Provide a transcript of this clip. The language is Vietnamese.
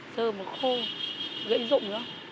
sơ mà khô dễ dụng lắm